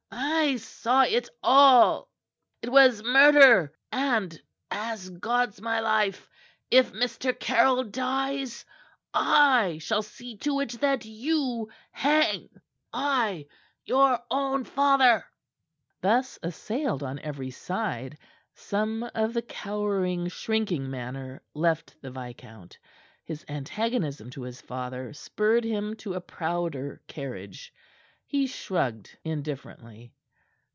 I saw it all. It was murder, and, as God's my life, if Mr. Caryll dies, I shall see to it that you hang I, your own father." Thus assailed on every side, some of the cowering, shrinking manner left the viscount. His antagonism to his father spurred him to a prouder carriage. He shrugged indifferently.